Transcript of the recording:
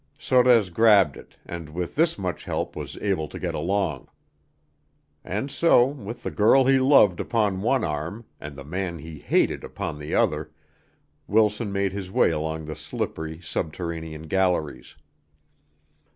Sorez grabbed it and with this much help was able to get along. And so, with the girl he loved upon one arm and the man he hated upon the other, Wilson made his way along the slippery subterranean galleries.